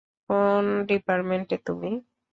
কোন ডিপার্টমেন্টে তুমি?